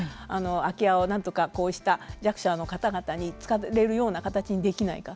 空き家をなんとかこうした弱者の方々に使えるような形にできないか。